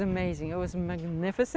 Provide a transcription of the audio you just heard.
ini sangat luar biasa